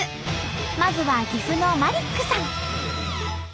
まずは岐阜のマリックさん！